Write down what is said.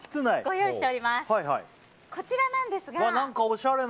こちらなんですが。